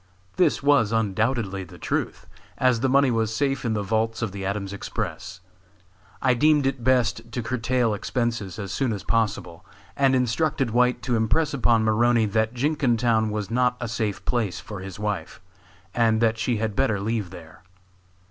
This was undoubtedly the truth, as the money was safe in the vaults of the Adams Express. I deemed it best to curtail expenses as soon as possible, and instructed White to impress upon Maroney that Jenkintown was not a safe place for his wife, and that she had better leave there.